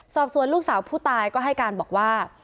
สอบสวนลูกสาวผู้ตายก็ให้การบอกว่า